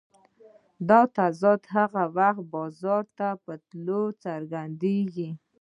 دا تضاد هغه وخت بازار ته په تلو څرګندېږي